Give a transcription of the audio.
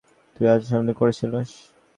তুই আত্মসমর্পণ করছিস!